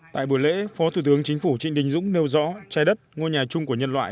tại buổi lễ phó thủ tướng chính phủ trịnh đình dũng nêu rõ trái đất ngôi nhà chung của nhân loại